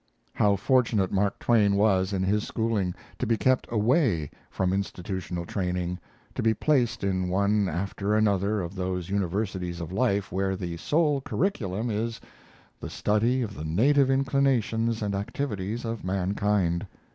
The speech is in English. How fortunate Mask Twain was in his schooling, to be kept away from institutional training, to be placed in one after another of those universities of life where the sole curriculum is the study of the native inclinations and activities of mankind!